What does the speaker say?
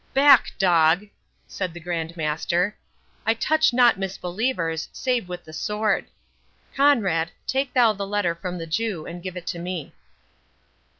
"Back, dog!" said the Grand Master; "I touch not misbelievers, save with the sword.—Conrade, take thou the letter from the Jew, and give it to me."